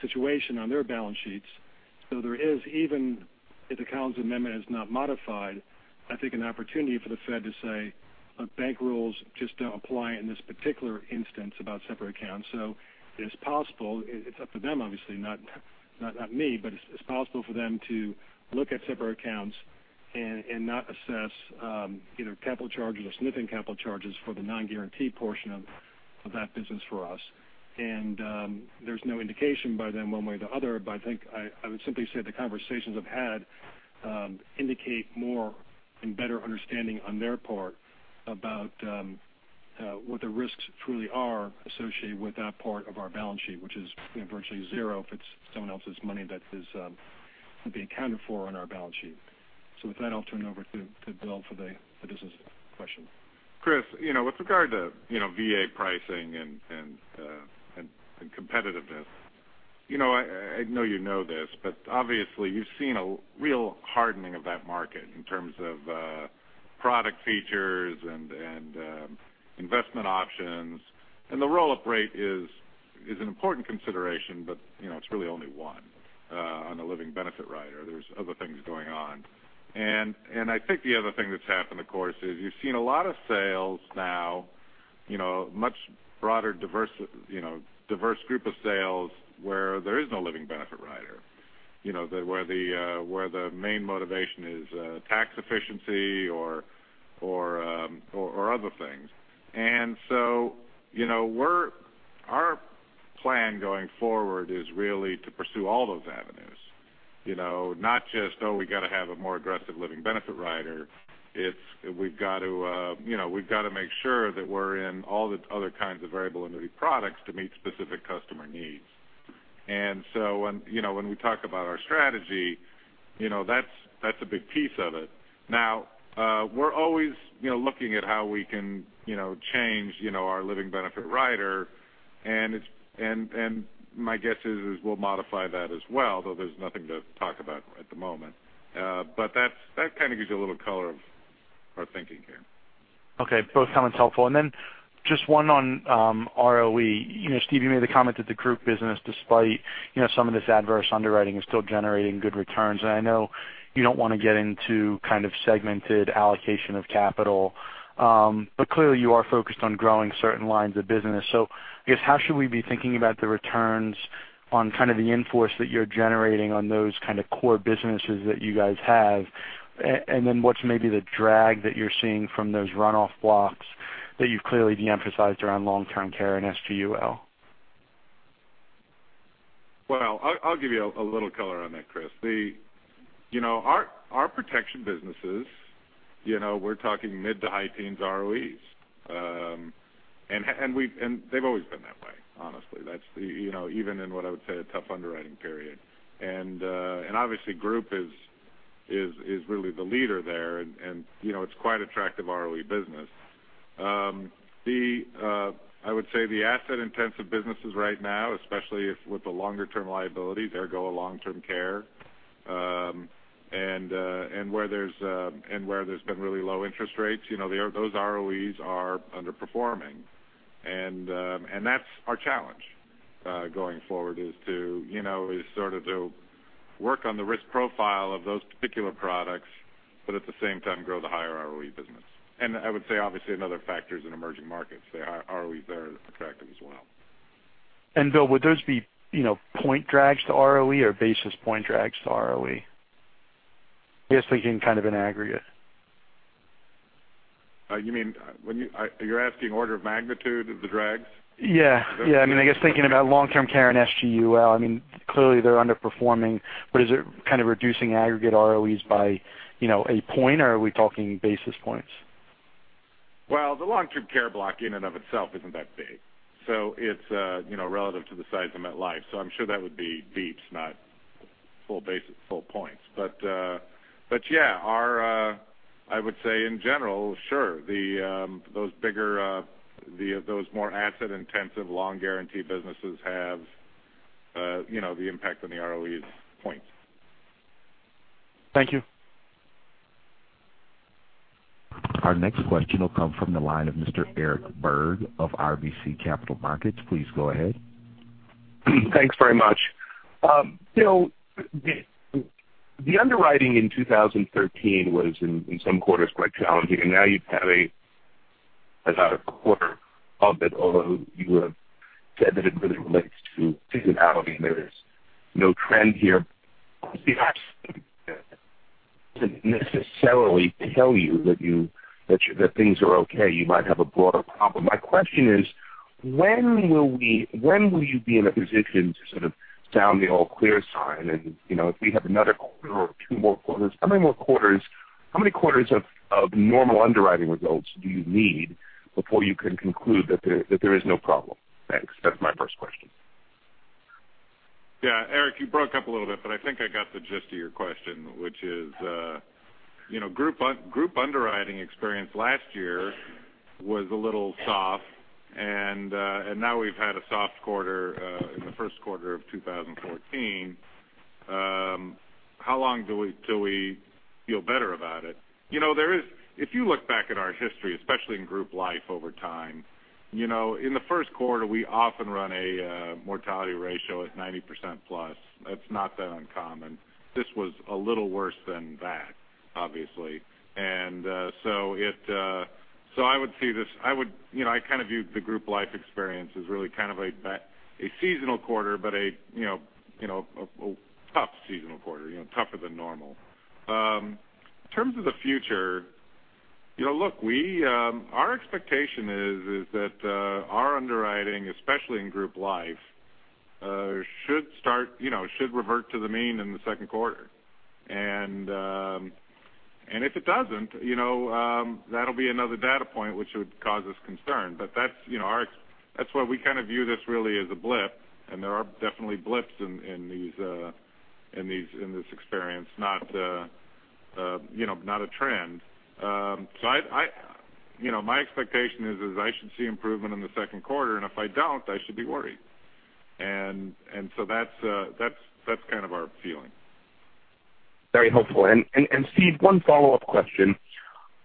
situation on their balance sheets. There is, even if the Collins Amendment is not modified, I think an opportunity for the Fed to say, "Bank rules just don't apply in this particular instance about separate accounts." It's possible. It's up to them, obviously, not me, but it's possible for them to look at separate accounts and not assess either capital charges or significant capital charges for the non-guarantee portion of that business for us. There's no indication by them one way or the other, but I think I would simply say the conversations I've had indicate more and better understanding on their part about what the risks truly are associated with that part of our balance sheet, which is virtually zero if it's someone else's money that is being accounted for on our balance sheet. With that, I'll turn it over to Bill for the business question. Chris, with regard to VA pricing and competitiveness, I know you know this, but obviously you've seen a real hardening of that market in terms of product features and investment options. The roll-up rate is an important consideration, but it's really only one on the living benefit rider. There's other things going on. I think the other thing that's happened, of course, is you've seen a lot of sales now, a much broader, diverse group of sales where there is no living benefit rider, where the main motivation is tax efficiency or other things. Our plan going forward is really to pursue all those avenues Not just, we got to have a more aggressive living benefit rider. It's we've got to make sure that we're in all the other kinds of variable annuity products to meet specific customer needs. When we talk about our strategy, that's a big piece of it. Now, we're always looking at how we can change our living benefit rider. My guess is we'll modify that as well, though there's nothing to talk about at the moment. That kind of gives you a little color of our thinking here. Okay. Both comments helpful. Just one on ROE. Steve, you made the comment that the group business, despite some of this adverse underwriting, is still generating good returns. I know you don't want to get into kind of segmented allocation of capital, but clearly you are focused on growing certain lines of business. I guess how should we be thinking about the returns on kind of the in-force that you're generating on those kind of core businesses that you guys have? And then what's maybe the drag that you're seeing from those runoff blocks that you've clearly de-emphasized around long-term care and SGUL? Well, I'll give you a little color on that, Chris. Our protection businesses, we're talking mid to high teens ROEs. They've always been that way, honestly. Even in what I would say a tough underwriting period. Obviously group is really the leader there, and it's quite attractive ROE business. I would say the asset-intensive businesses right now, especially with the longer term liabilities, ergo long-term care, and where there's been really low interest rates, those ROEs are underperforming. That's our challenge going forward, is sort of to work on the risk profile of those particular products, but at the same time grow the higher ROE business. I would say, obviously, another factor is in emerging markets. The ROEs there are attractive as well. Bill, would those be point drags to ROE or basis point drags to ROE? Just thinking kind of in aggregate. You're asking order of magnitude of the drags? Yeah. I guess thinking about long-term care and SGUL, clearly they're underperforming, but is it kind of reducing aggregate ROEs by one point, or are we talking basis points? Well, the long-term care block in and of itself isn't that big. It's relative to the size of MetLife, so I'm sure that would be basis points, not full points. Yeah, I would say in general, sure, those more asset-intensive long guarantee businesses have the impact on the ROEs. Thank you. Our next question will come from the line of Mr. Eric Berg of RBC Capital Markets. Please go ahead. Thanks very much. Bill, the underwriting in 2013 was in some quarters quite challenging. Now you have a quarter of it, although you have said that it really relates to seasonality and there is no trend here to necessarily tell you that things are okay. You might have a broader problem. My question is, when will you be in a position to sort of sound the all clear sign? If we have another quarter or two more quarters, how many more quarters of normal underwriting results do you need before you can conclude that there is no problem? Thanks. That's my first question. Yeah, Eric, you broke up a little bit, but I think I got the gist of your question, which is group underwriting experience last year was a little soft. Now we've had a soft quarter in the first quarter of 2014. How long till we feel better about it? If you look back at our history, especially in group life over time, in the first quarter we often run a mortality ratio at 90% plus. That's not that uncommon. This was a little worse than that, obviously. So I kind of view the group life experience as really kind of a seasonal quarter, but a tough seasonal quarter, tougher than normal. In terms of the future, our expectation is that our underwriting, especially in group life, should revert to the mean in the second quarter. If it doesn't, that'll be another data point which would cause us concern. That's why we kind of view this really as a blip, and there are definitely blips in this experience, not a trend. My expectation is I should see improvement in the second quarter, and if I don't, I should be worried. So that's kind of our feeling. Very helpful. John, one follow-up question.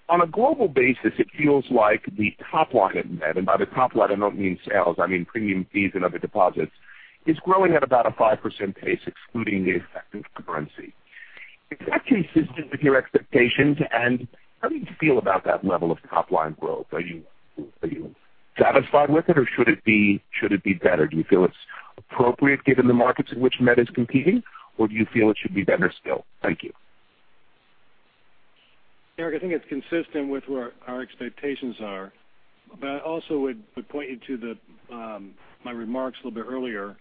On a global basis, it feels like the top line at Met, and by the top line I don't mean sales, I mean premium fees and other deposits, is growing at about a 5% pace, excluding the effect of currency. Is that consistent with your expectations, and how do you feel about that level of top-line growth? Are you satisfied with it or should it be better? Do you feel it's appropriate given the markets in which Met is competing, or do you feel it should be better still? Thank you. Eric, I think it's consistent with where our expectations are. I also would point you to my remarks a little bit earlier,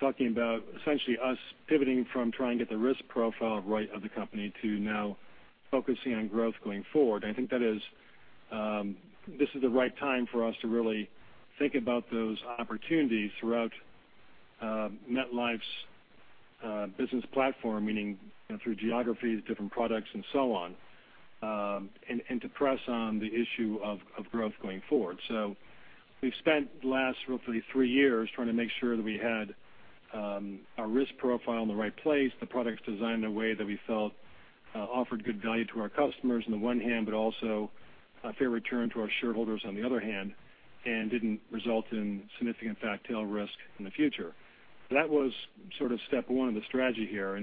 talking about essentially us pivoting from trying to get the risk profile right of the company to now focusing on growth going forward. I think that this is the right time for us to really think about those opportunities throughout MetLife's business platform, meaning through geographies, different products, and so on, and to press on the issue of growth going forward. We've spent the last roughly three years trying to make sure that we had our risk profile in the right place, the products designed in a way that we felt offered good value to our customers on the one hand, but also a fair return to our shareholders on the other hand, and didn't result in significant fat tail risk in the future. That was step one of the strategy here,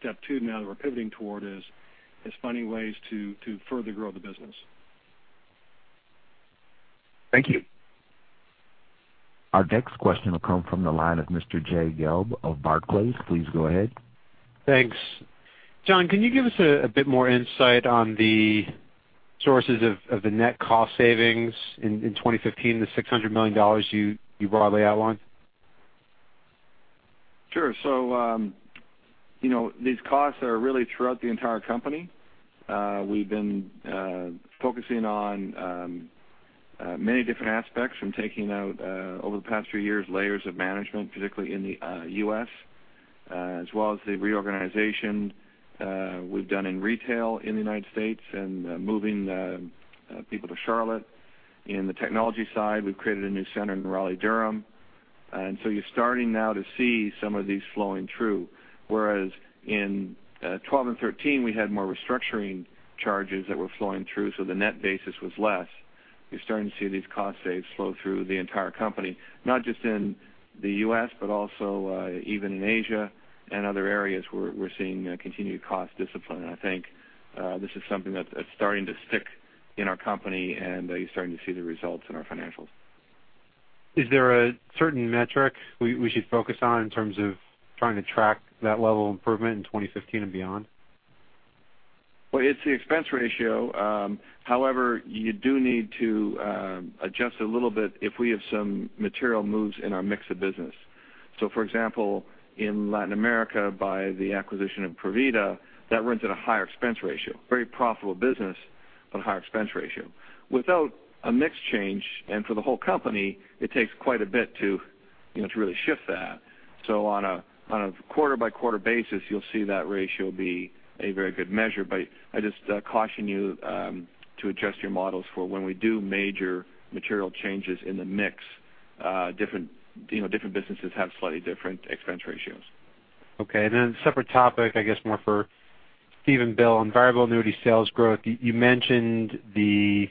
step two now that we're pivoting toward is finding ways to further grow the business. Thank you. Our next question will come from the line of Mr. Jay Gelb of Barclays. Please go ahead. Thanks. John, can you give us a bit more insight on the sources of the net cost savings in 2015, the $600 million you broadly outlined? Sure. These costs are really throughout the entire company. We've been focusing on many different aspects, from taking out, over the past few years, layers of management, particularly in the U.S., as well as the reorganization we've done in retail in the United States and moving people to Charlotte. In the technology side, we've created a new center in Raleigh-Durham. You're starting now to see some of these flowing through. Whereas in 2012 and 2013, we had more restructuring charges that were flowing through, so the net basis was less. You're starting to see these cost saves flow through the entire company, not just in the U.S., but also even in Asia and other areas where we're seeing continued cost discipline. I think this is something that's starting to stick in our company, and you're starting to see the results in our financials. Is there a certain metric we should focus on in terms of trying to track that level of improvement in 2015 and beyond? Well, it's the expense ratio. However, you do need to adjust a little bit if we have some material moves in our mix of business. For example, in Latin America, by the acquisition of Provida, that runs at a higher expense ratio. Very profitable business, but a higher expense ratio. Without a mix change, and for the whole company, it takes quite a bit to really shift that. On a quarter-by-quarter basis, you'll see that ratio be a very good measure. I just caution you to adjust your models for when we do major material changes in the mix. Different businesses have slightly different expense ratios. Okay, separate topic, I guess more for John and Bill on variable annuity sales growth. You mentioned the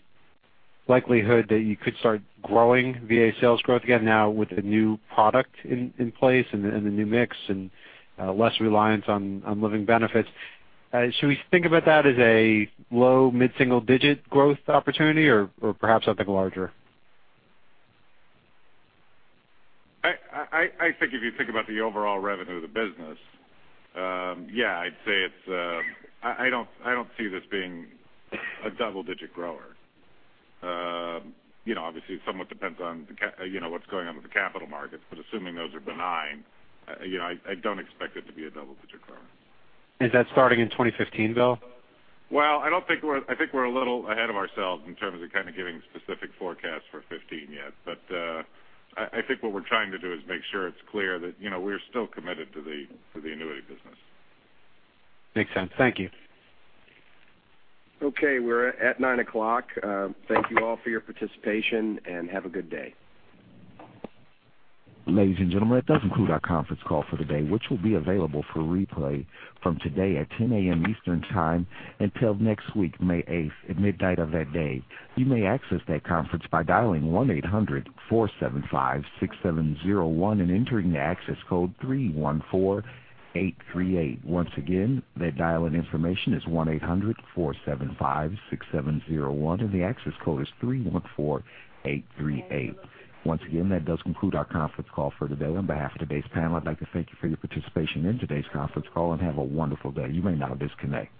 likelihood that you could start growing VA sales growth again now with the new product in place and the new mix and less reliance on living benefits. Should we think about that as a low, mid-single digit growth opportunity or perhaps something larger? I think if you think about the overall revenue of the business, yeah, I don't see this being a double-digit grower. Obviously, it somewhat depends on what's going on with the capital markets. Assuming those are benign, I don't expect it to be a double-digit grower. Is that starting in 2015, Bill? Well, I think we're a little ahead of ourselves in terms of kind of giving specific forecasts for 2015 yet. I think what we're trying to do is make sure it's clear that we're still committed to the annuity business. Makes sense. Thank you. Okay. We're at 9:00. Thank you all for your participation, and have a good day. Ladies and gentlemen, that does conclude our conference call for the day, which will be available for replay from today at 10:00 A.M. Eastern Time until next week, May 8th at midnight of that day. You may access that conference by dialing 1-800-475-6701 and entering the access code 314838. Once again, the dial-in information is 1-800-475-6701 and the access code is 314838. Once again, that does conclude our conference call for the day. On behalf of today's panel, I'd like to thank you for your participation in today's conference call, and have a wonderful day. You may now disconnect.